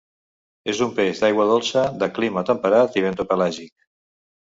És un peix d'aigua dolça, de clima temperat i bentopelàgic.